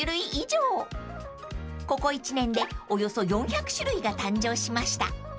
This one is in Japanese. ［ここ１年でおよそ４００種類が誕生しました］